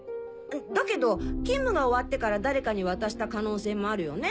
だけど勤務が終わってから誰かに渡した可能性もあるよね。